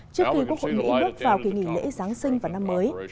trước khi quốc hội mỹ bước vào kỳ nghỉ lễ giáng sinh và năm mới